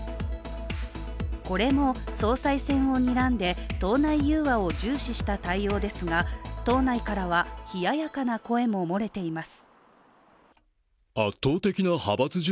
これも総裁選をにらんで党内融和を重視した対応ですが党内からは、冷ややかな声も漏れています。